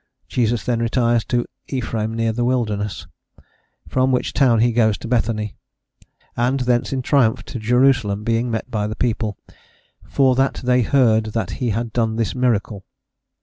Jesus then retires to Ephraim near the wilderness, from which town he goes to Bethany, and thence in triumph to Jerusalem, being met by the people "for that they heard that he had done this miracle."